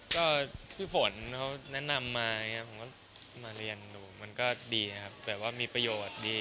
ก็พี่ฝนเขาแนะนำมาอย่างนี้ผมก็มาเรียนดูมันก็ดีนะครับแบบว่ามีประโยชน์ดี